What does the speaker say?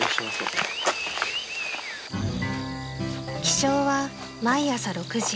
［起床は毎朝６時］